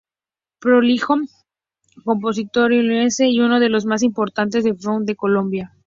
Prolijo compositor Huilense y uno de los más importantes del folklore de Colombia.